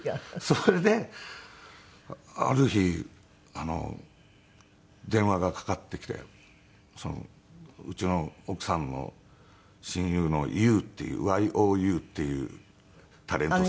それである日電話がかかってきてうちの奥さんの親友のＹＯＵっていうＹＯＵっていうタレントさんが。